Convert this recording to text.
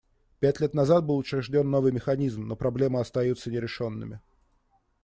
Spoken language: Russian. Пять лет назад был учрежден новый механизм, но проблемы остаются нерешенными.